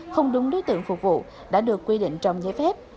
không đúng đối tượng phục vụ đã được quy định trong giấy phép